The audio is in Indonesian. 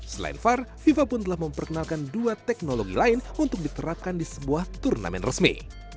selain var fifa pun telah memperkenalkan dua teknologi lain untuk diterapkan di sebuah turnamen resmi